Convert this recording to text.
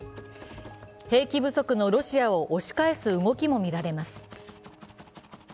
兵器不足のロシアを押し返す動きもみられます。